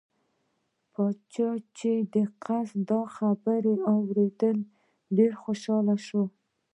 پاچا چې د قاصد دا خبرې واوریدلې ډېر خوشحاله شو.